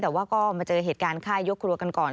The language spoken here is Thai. แต่ว่าก็มาเจอเหตุการณ์ฆ่ายกครัวกันก่อน